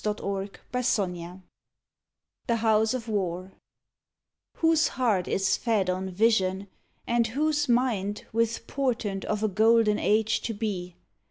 135 ON THE GREAT WAR THE HOUSE OF WAR Whose heart is fed on vision, and whose mind With portent of a Golden Age to be?